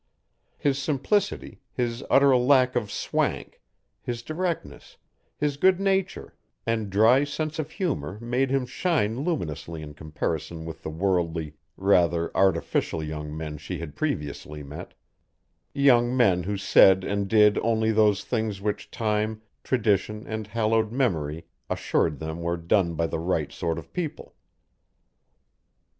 His simplicity, his utter lack of "swank," his directness, his good nature, and dry sense of humour made him shine luminously in comparison with the worldly, rather artificial young men she had previously met young men who said and did only those things which time, tradition, and hallowed memory assured them were done by the right sort of people.